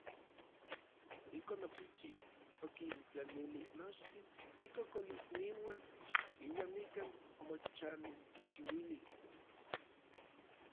Ijkon okichi, okintlanili nochtin ikokolikniuan uan nikan omochanchiuili.